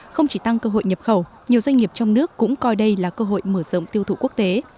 không chỉ tăng cơ hội nhập khẩu nhiều doanh nghiệp trong nước cũng coi đây là cơ hội mở rộng tiêu thụ quốc tế